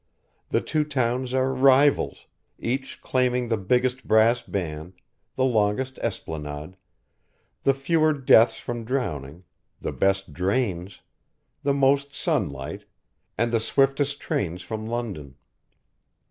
The two towns are rivals, each claiming the biggest brass band, the longest esplanade, the fewer deaths from drowning, the best drains, the most sunlight, and the swiftest trains from London.